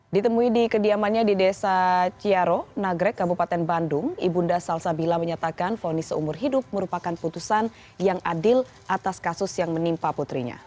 ditemui di kediamannya di desa ciaro nagrek kabupaten bandung ibu nda salsabila menyatakan fonis seumur hidup merupakan putusan yang adil atas kasus yang menimpa putrinya